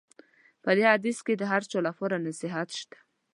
په دې حدیث کې د هر چا لپاره نصیحت شته.